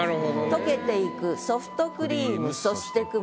「溶けてゆくソフトクリームそして雲」。